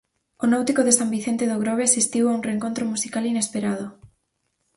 O Náutico de San Vicente do Grove asistiu a un reencontro musical inesperado.